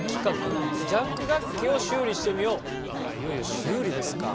いよいよ修理ですか。